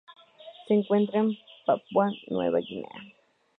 Se encuentran en Papúa Nueva Guinea.